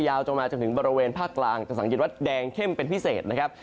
ตอนล่างนะครับไล่ยาวมาจากภาคกลางสังเย็นวัดแดงเข้มเป็นพิเศษนะครับ